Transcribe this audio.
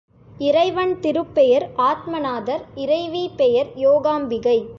இறைவன் திருப்பெயர், ஆத்மநாதர் இறைவி பெயர் யோகாம்பிகை.